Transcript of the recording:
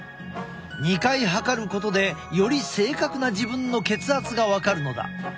２回測ることでより正確な自分の血圧が分かるのだ。